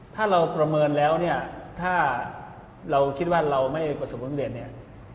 ถ้าเราประเมินแล้วเนี่ยถ้าเราคิดว่าเราไม่ประสบความสำเร็จเนี่ย